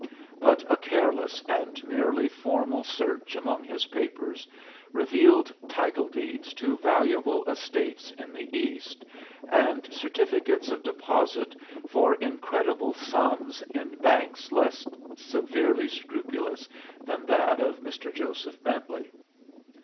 But a careless and merely formal search among his papers revealed title deeds to valuable estates in the East and certificates of deposit for incredible sums in banks less severely scrupulous than that of Mr. Jo. Bentley.